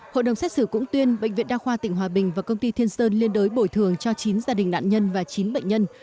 hội đồng xét xử cũng tuyên bệnh viện đa khoa tỉnh hòa bình và công ty thiên sơn liên đối bồi thường cho chín gia đình nạn nhân và chín bệnh nhân